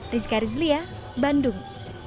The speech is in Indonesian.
rizka rizlia bandung